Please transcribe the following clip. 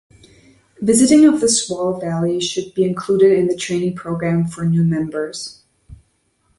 Visiting of this wall valley should be included in the training program for new members.